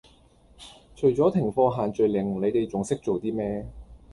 除左停課限聚令你地仲識做 D 咩